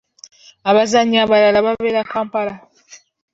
Abazannyi abalala babeera Kampala.